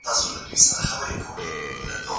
د بازار ککړ خواړه مه خورئ.